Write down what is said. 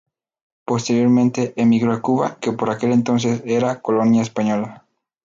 Posteriormente, emigró a Cuba, que por aquel entonces, era colonia española.